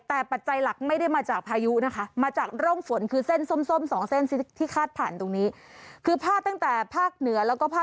แต่ปัจจัยหลักไม่ได้มาจากพายุนะคะมาจากโรงฝนคือเส้นส้ม๒เส้นที่คาดผ่านตรงนี้